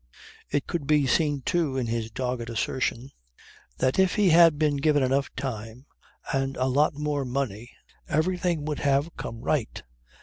It could be seen too in his dogged assertion that if he had been given enough time and a lot more money everything would have come right.